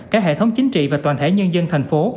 cả hệ thống chính trị và toàn thể nhân dân thành phố